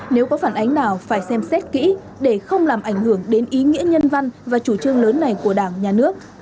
nếu có phản ánh nào phải xem xét kỹ để không làm ảnh hưởng đến ý nghĩa nhân văn và chủ trương lớn này của đảng nhà nước